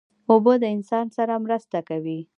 اوبه له انسان سره مرسته کوي.